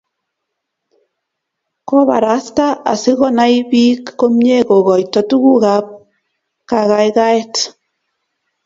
Kobarasta asikonai bik komie kokoito tugukab kakaikaet